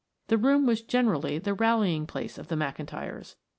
The room was generally the rallying place of the McIntyres.